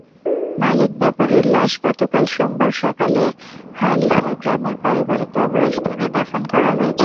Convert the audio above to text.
মালেক ব্যাপারীর লাশ গতকাল সোমবার সকালে হালইসার গ্রামের পারিবারিক কবরস্থানে দাফন করা হয়েছে।